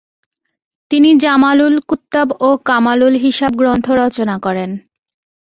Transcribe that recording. তিনি জামালুল কুত্তাব ও কামালুল হিসাব গ্রন্থ রচনা করেন।